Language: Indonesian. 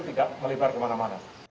itu tidak melibat kemana mana